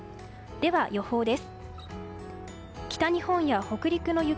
では、予報です。